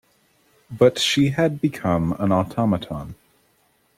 But she had become an automaton.